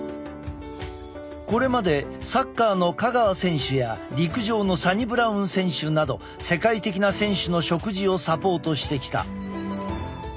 これまでサッカーの香川選手や陸上のサニブラウン選手など世界的な選手の食事をサポートしてきた。